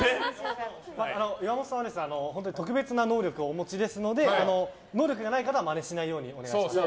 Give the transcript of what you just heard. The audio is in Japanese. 岩本さんは特別な能力をお持ちですので能力がない方はまねしないようにお願いします。